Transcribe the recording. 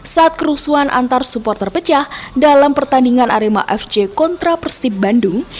saat kerusuhan antar supporter pecah dalam pertandingan arema fc kontra persib bandung